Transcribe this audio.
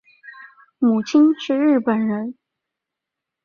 母亲是日本人。